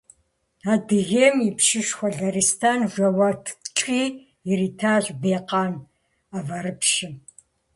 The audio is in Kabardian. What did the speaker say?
Адыгейм и пщышхуэ Лэристэн жэуап ткӏий иритащ Бейкъан аварыпщым.